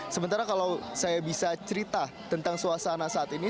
sementara kalau saya bisa cerita tentang suasana saat ini